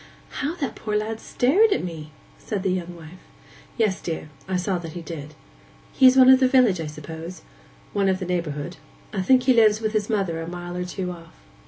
'How that poor lad stared at me!' said the young wife. 'Yes, dear; I saw that he did.' 'He is one of the village, I suppose?' 'One of the neighbourhood. I think he lives with his mother a mile or two off.